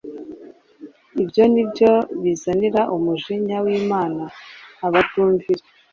ibyo nibyo bizanira umujinya w’Imana abatumvira